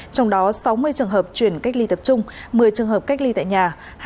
trong đó sáu mươi trường hợp chuyển cách ly tập trung một mươi trường hợp cách ly tại nhà